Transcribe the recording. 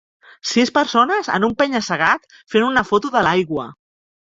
Sis persones en un penya-segat fent una foto de l'aigua.